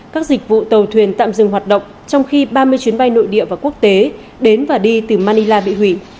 các dịch vụ tàu thuyền tạm dừng hoạt động trong khi ba mươi chuyến bay nội địa và quốc tế đến và đi từ manila bị hủy